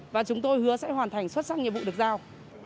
và chúng tôi hứa sẽ hoàn thành xuất sắc nhiệm vụ được giao